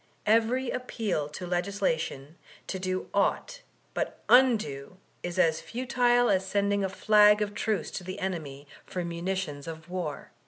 "Every appeal to legislation to do au^t but u$^o is as futile as sending a flag of truce to the enemy for munitions of war."